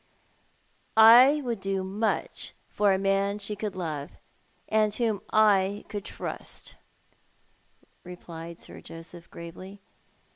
''" I would do much for a man she could love, and whom I could trust," replied Sir Joseph, gravely.